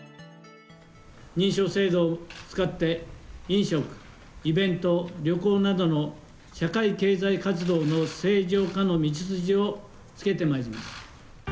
認証制度を使って、飲食、イベント、旅行などの社会経済活動の正常化の道筋をつけてまいります。